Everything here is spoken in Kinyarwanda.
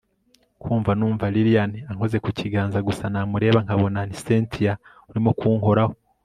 kumva numva lilian ankoze kukiganza, gusa namureba nkabona ni cyntia urimo kunkoraho